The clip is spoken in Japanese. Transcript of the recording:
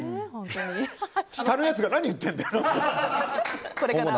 下のやつが何言ってんだよ！